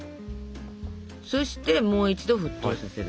そしてもう一度沸騰させる。